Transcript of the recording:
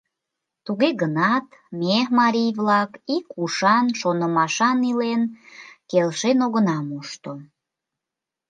Туге гынат ме, марий-влак, ик ушан, шонымашан илен, келшен огына мошто.